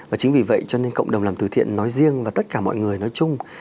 và chính vì vậy cho nên cộng đồng làm từ thiện nói riêng và tất cả mọi người nói chung